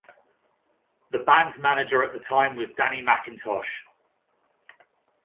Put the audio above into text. The band's manager at the time was Danny McIntosh.